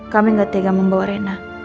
kami gak tega membawa rena